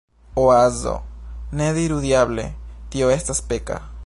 Oazo: "Ne diru "Diable!", tio estas peka!"